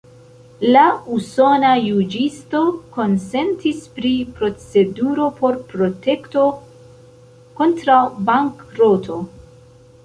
La usona juĝisto konsentis pri proceduro por protekto kontraŭ bankroto.